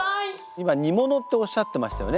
今「煮物」っておっしゃってましたよね